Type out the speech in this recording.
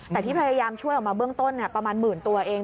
แต่ที่พยายามช่วยออกมาเบื้องต้นประมาณหมื่นตัวเอง